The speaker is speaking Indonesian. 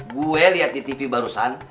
gue lihat di tv barusan